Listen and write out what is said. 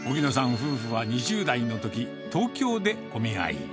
夫婦は２０代のとき、東京でお見合い。